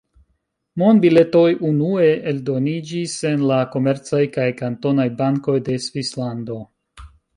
Monbiletoj unue eldoniĝis en la komercaj kaj kantonaj bankoj de Svislando.